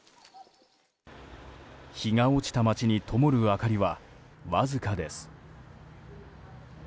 日が落ちた街にともる明かりはわずかです。